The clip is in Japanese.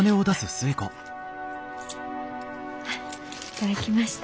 頂きました。